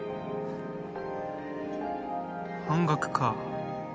半額か。